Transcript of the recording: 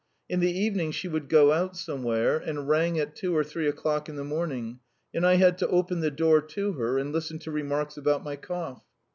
In the evening she would go out somewhere, and rang at two or three o'clock in the morning, and I had to open the door to her and listen to remarks about my cough.